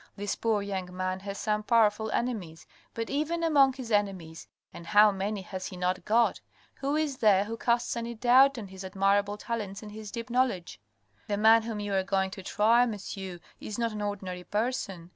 This poor young man has some powerful enemies, but even among his enemies, (and how many has he not got ?) who is there who casts any doubt on his admirable talents and his deep knowledge ? The man whom you are going to try, monsieur, is not an ordinary person.